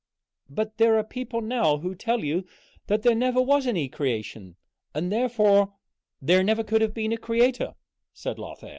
"But there are people now who tell you that there never was any creation, and therefore there never could have been a Creator," said Lothair.